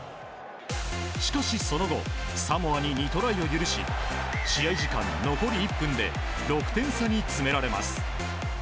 しかし、その後サモアに２トライを許し試合時間残り１分で６点差に詰められます。